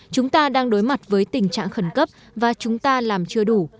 chúng ta đang đối mặt với tình trạng khẩn cấp và chúng ta làm chưa đủ